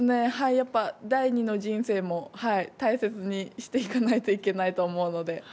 やっぱり、第２の人生も大切にしていかないといけないと思うので。